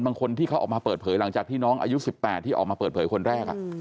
บางคนที่เขาออกมาเปิดเผยหลังจากที่น้องอายุ๑๘ที่ออกมาเปิดเผยคนแรก